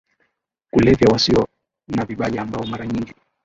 kulevya wasio na vibali ambao mara nyingi